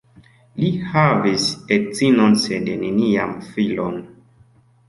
Li havis edzinon sed neniam filon.